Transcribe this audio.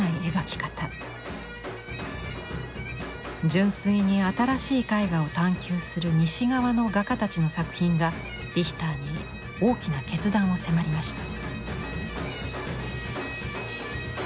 純粋に新しい絵画を探求する西側の画家たちの作品がリヒターに大きな決断を迫りました。